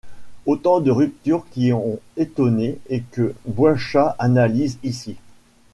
Autant de ruptures qui ont étonné et que Boichat analyse ici.